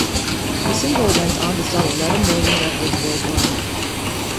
The single went on to sell eleven million records worldwide.